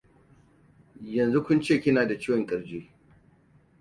Yanzu kun ce kuna da ciwon kirji